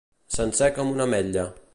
Sencer com una ametlla.